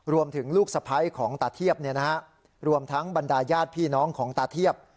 รวมถึงลูกสะพ้ายของตาเทียบเนี่ยนะฮะรวมทั้งบรรดายาทพี่น้องของตาเทียบ